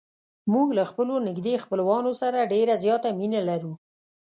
موږ له خپلو نږدې خپلوانو سره ډېره زیاته مینه لرو.